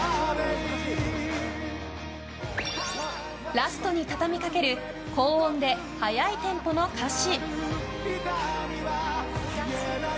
ラストにたたみかける高音で速いテンポの歌詞。